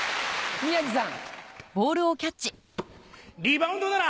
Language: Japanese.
宮治さん。